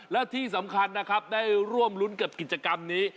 และที่สำคัญนะครับได้ร่วมรุ้นกับกิจกรรมนี้